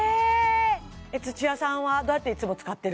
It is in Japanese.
土屋さんはどうやっていつも使ってる？